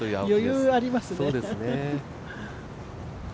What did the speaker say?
余裕ありますね。